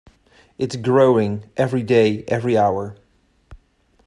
It is growing, every day, every hour.